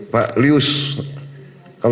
pak lius juga dipanggil